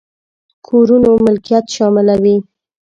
کورونو ملکيت شاملوي.